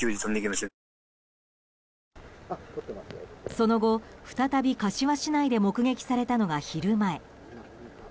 その後、再び柏市内で目撃されたのが昼前。